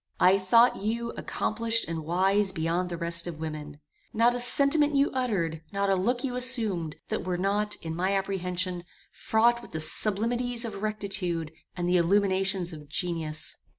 "I thought you accomplished and wise beyond the rest of women. Not a sentiment you uttered, not a look you assumed, that were not, in my apprehension, fraught with the sublimities of rectitude and the illuminations of genius.